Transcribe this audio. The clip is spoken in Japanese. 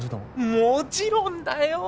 もちろんだよ！